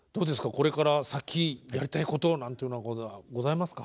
これから先やりたいことなんていうようなことはございますか？